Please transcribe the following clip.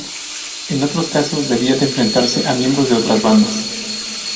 En otros casos debía de enfrentarse a miembros de otras bandas.